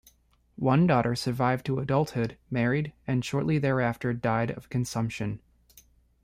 One daughter survived to adulthood, married, and shortly thereafter died of consumption.